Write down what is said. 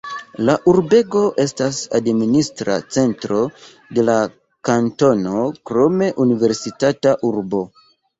La urbego estas administra centro de la kantono, krome universitata urbo.